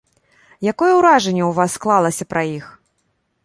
Якое ўражанне ў вас склалася пра іх?